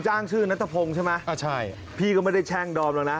จ้างชื่อนัทพงศ์ใช่ไหมอ่าใช่พี่ก็ไม่ได้แช่งดอมแล้วนะ